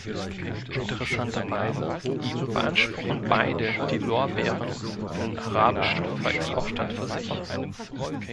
Interessanterweise beanspruchen beide die Lorbeeren für den arabischen Volksaufstand für sich.